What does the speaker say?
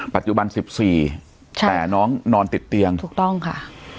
ปัจจุบัน๑๔แต่น้องนอนติดเตียงถูกต้องค่ะ